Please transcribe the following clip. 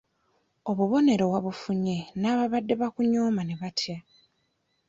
Obubonero wabufunye n'abaabadde bakunyooma ne batya.